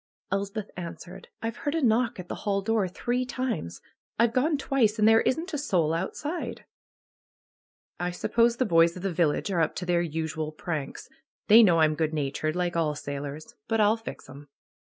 Elspeth answered: ^H've lieard a knock at the hall door three times. I've gone twice, and there isn't a soul outside." suppose the boys of the village are up to their usual pranks. They know I'm good natured, like all sailors. But I'll fix 'em!"